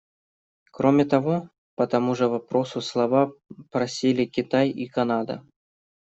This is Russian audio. Кроме того, по тому же вопросу слова просили Китай и Канада.